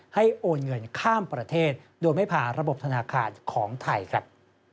โอนเงินข้ามประเทศโดยไม่ผ่านระบบธนาคารของไทยครับ